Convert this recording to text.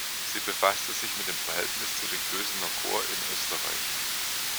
Sie befasste sich mit dem Verhältnis zu den Kösener Corps in Österreich.